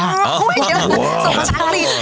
โอ้ยเดี๋ยวส่งมาชั้นอีก